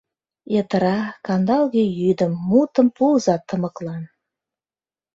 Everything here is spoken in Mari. Йытыра, кандалге йӱдым Мутым пуыза тымыклан.